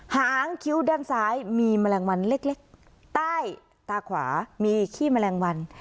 หางคิ้วด้านซ้ายมีแมลงวันเล็กใต้ตาขวามีขี้แมลงวัน